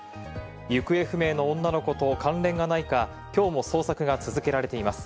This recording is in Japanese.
行方不明の女の子と関連がないか今日も捜索が続けられています。